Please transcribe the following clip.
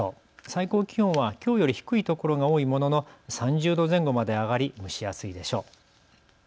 最高気温はきょうより低い所が多いものの３０度前後まで上がり蒸し暑いでしょう。